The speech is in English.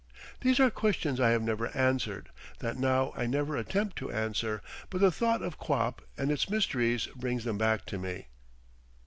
These are questions I have never answered, that now I never attempt to answer, but the thought of quap and its mysteries brings them back to me.